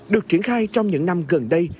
được triển khai trong những năm gần đây